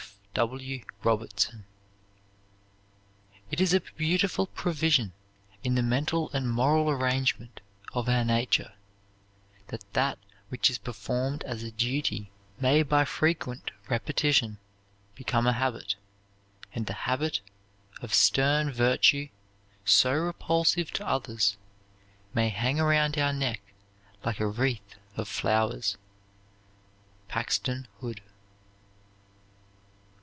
F. W. ROBERTSON. It is a beautiful provision in the mental and moral arrangement of our nature, that that which is performed as a duty may by frequent repetition, become a habit; and the habit of stern virtue, so repulsive to others, may hang around our neck like a wreath of flowers. PAXTON HOOD.